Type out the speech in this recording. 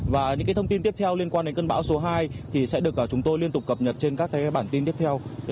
và những thông tin tiếp theo liên quan đến cơn bão số hai thì sẽ được chúng tôi liên tục cập nhật trên các bản tin tiếp theo